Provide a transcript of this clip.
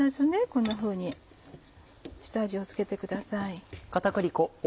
こんなふうに下味を付けてください。